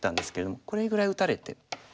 これぐらい打たれて。